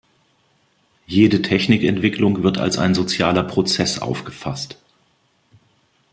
Jede Technikentwicklung wird als ein sozialer Prozess aufgefasst.